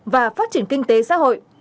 và phát triển kinh tế xã hội